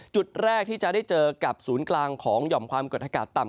จุดแรกที่จะได้เจอกับศูนย์กลางของหย่อมความกดอากาศต่ำ